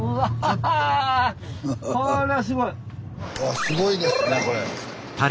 あすごいですねこれ。